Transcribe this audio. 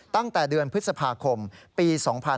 ตั้งแต่เดือนพฤษภาคมปี๒๕๕๙